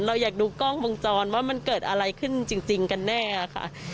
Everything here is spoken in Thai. เราอยากดูกล้องวงจรว่ามันเกิดอะไรขึ้นจริงกันแน่ค่ะ